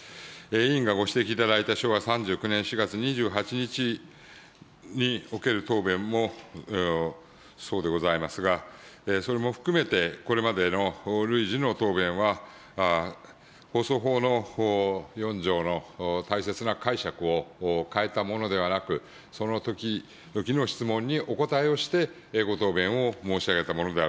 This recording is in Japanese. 委員がご指摘いただいた昭和３９年４月２８日における答弁もそうでございますが、それも含めてこれまでの累次の答弁は、放送法の４条の大切な解釈を変えたものではなく、その時々の質問にお答えをして、ご答弁を申し上げたものであるというふうに考えているところでご